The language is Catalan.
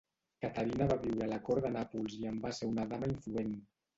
Caterina va viure a la cort de Nàpols i en va ser una dama influent.